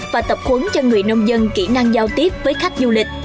và tập huấn cho người nông dân kỹ năng giao tiếp với khách du lịch